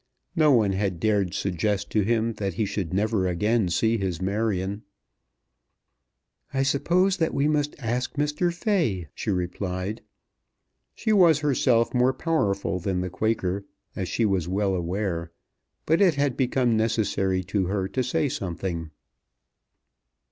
No one had dared suggest to him that he should never again see his Marion. "I suppose that we must ask Mr. Fay," she replied. She was herself more powerful than the Quaker, as she was well aware; but it had become necessary to her to say something.